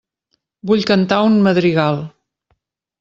Vull cantar un madrigal.